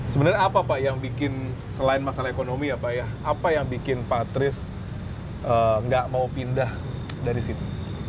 sebenarnya apa pak yang bikin selain masalah ekonomi ya pak ya apa yang bikin pak tris nggak mau pindah dari situ